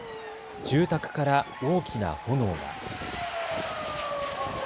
住宅から大きな炎が。